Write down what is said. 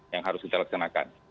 yang harus kita laksanakan